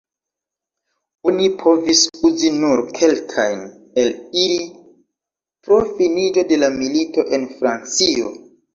Oni povis uzi nur kelkajn el ili pro finiĝo de la milito, en Francio.